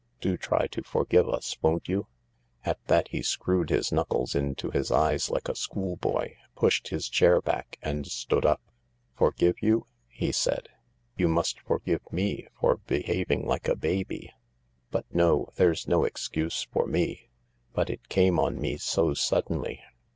Do try to forgive us, won't you ?" At that he screwed his knuckles into his eyes like a school boy, pushed his chair back and stood up, " Forgive you ?" he said. " You must forgive me for behaving like a baby— but no, there's no excuse for me — but it came on me so suddenly.